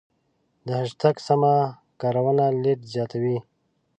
د هشتګ سمه کارونه لید زیاتوي.